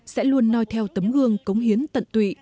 sẽ luôn noi theo tấm gương cống hiến tận tụy